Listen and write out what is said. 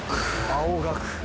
青学！